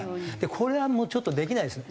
これはもうちょっとできないですね。